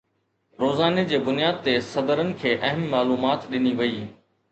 روزاني جي بنياد تي صدرن کي اهم معلومات ڏني وئي